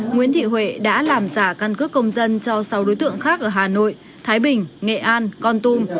nguyễn thị huệ đã làm giả căn cước công dân cho sáu đối tượng khác ở hà nội thái bình nghệ an con tum